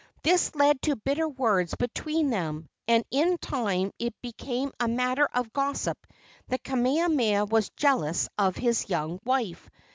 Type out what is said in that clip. This led to bitter words between them, and in time it became a matter of gossip that Kamehameha was jealous of his young wife.